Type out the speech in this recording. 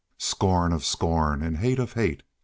Scorn of scorn and hate of hate!